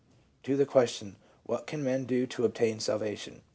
To the question, what can men do to obtain salvation?